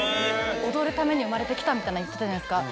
踊るために生まれてきたみたいな言ってたじゃないですか。